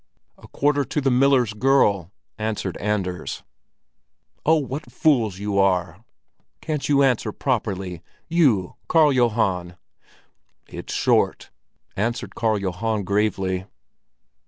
"A quarter to the miller's girl," answered Anders. "Oh, what fools you are! Can't you answer properly? You, Karl Johan!" "It's short!" said Karl Johan gravely.